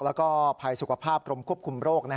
แล้วก็ภัยสุขภาพกรมควบคุมโรค